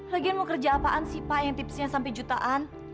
lagian mau kerja apaan sih pak yang tipsnya sampai jutaan